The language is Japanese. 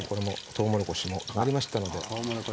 とうもろこしも揚がりましたね。